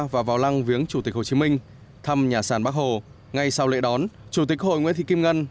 và vào lăng viếng chủ tịch hồ chí minh thăm nhà sản bắc hồ ngay sau lễ đón chủ tịch hội nguyễn thị kim ngân